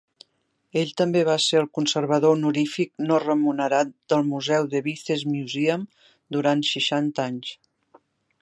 Ell també va ser el conservador honorífic no remunerat del museu Devizes Museum durant seixanta anys.